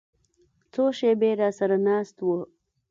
څو شېبې راسره ناست و.